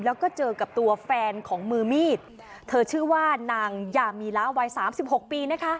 แล้วก็เจอกับตัวแฟนของมือมีดเธอชื่อว่านางยามีละวัยสามสิบหกปีนะคะ